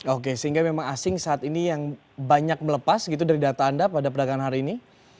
oke sehingga memang asing saat ini yang banyak melepas gitu dari data anda pada perdagangan hari ini